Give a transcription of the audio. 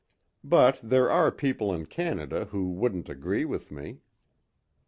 But there are people in Canada who wouldn't agree with me."